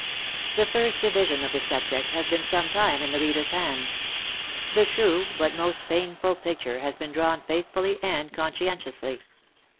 The first division of the subject has been some time in the reader's hands. The true but most painful picture has been drawn faithfully and conscientiously.